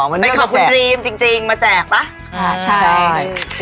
อ๋อวันนี้มาแจกเป็นขอบคุณดริมจริงมาแจกปะใช่ใช่